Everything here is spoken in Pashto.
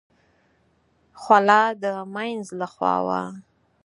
خوله د مينځ له خوا وه.